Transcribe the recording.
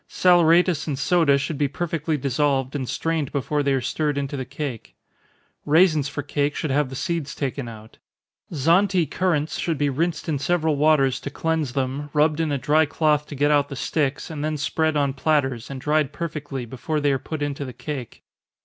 Saleratus and soda should be perfectly dissolved, and strained before they are stirred into the cake. Raisins for cake should have the seeds taken out. Zante currants should be rinsed in several waters to cleanse them, rubbed in a dry cloth to get out the sticks, and then spread on platters, and dried perfectly, before they are put into the cake.